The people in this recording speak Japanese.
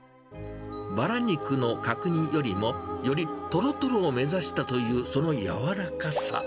バラ肉の角煮よりも、よりとろとろを目指したというその柔らかさ。